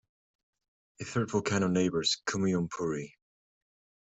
A third volcano neighbors Kamuinupuri.